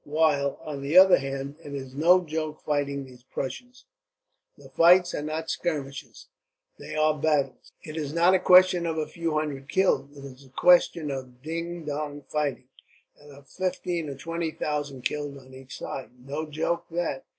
"While, on the other hand, it is no joke fighting these Prussians. The fights are not skirmishes, they are battles. It is not a question of a few hundred killed, it is a question of ding dong fighting, and of fifteen or twenty thousand killed on each side no joke, that.